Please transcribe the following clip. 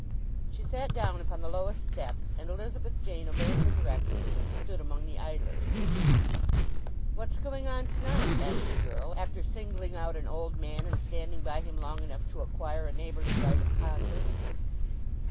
She sat down upon the lowest step, and Elizabeth Jane obeyed her directions and stood among the idlers. "What's going on to night?" asked the girl, after singling out an old man and standing by him long enough to acquire a neighbourly right of converse.